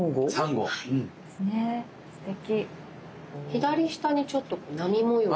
左下にちょっと波模様？